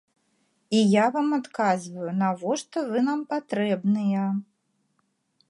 І я вам адказваю, навошта вы нам патрэбныя.